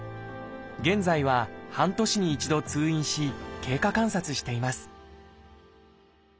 現在は半年に一度通院し経過観察しています